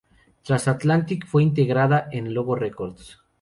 Transatlantic fue integrada en Logo Records.